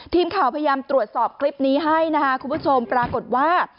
ทีมข่าวพยายามตรวจสอบคลิปนี้ให้นะคะคุณผู้ชมปรากฏว่า